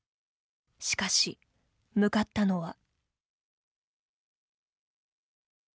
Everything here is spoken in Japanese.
しかし、向かったのは。